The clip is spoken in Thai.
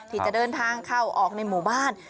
ที่จะเดินทางเข้าออกในหมู่บ้าน